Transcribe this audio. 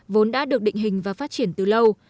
vốn đã được định hình và phát triển từ lâu